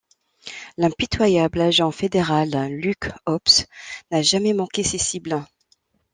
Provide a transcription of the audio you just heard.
L'impitoyable agent fédéral Luke Hobbs n'a jamais manqué ses cibles.